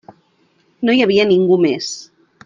No hi havia ningú més.